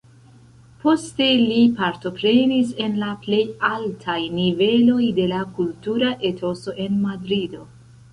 Poste li partoprenis en la plej altaj niveloj de la kultura etoso en Madrido.